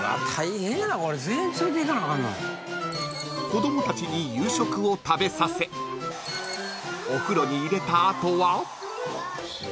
［子供たちに夕食を食べさせお風呂に入れた後は］